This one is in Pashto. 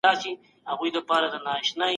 د مطالعې لاره تر نورو لارو سخته ده.